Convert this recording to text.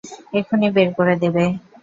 এখনই বের করে দেবে।